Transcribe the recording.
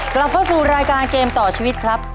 กลับเข้าสู่รายการเกมต่อชีวิตครับ